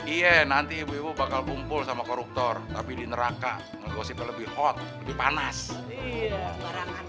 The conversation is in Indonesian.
iya nanti ibu ibu bakal kumpul sama koruptor tapi di neraka ngegosipl lebih hot lebih panas